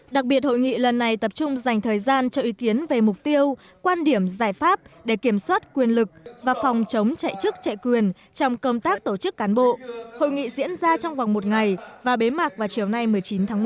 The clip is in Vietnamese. đặc biệt hội nghị lần này tập trung dành thời gian cho ý kiến về mục tiêu quan điểm giải pháp để kiểm soát quyền lực và phòng chống chạy chức chạy quyền trong công tác tổ chức cán bộ hội nghị diễn ra trong vòng một ngày và bế mạc vào chiều nay một mươi chín tháng một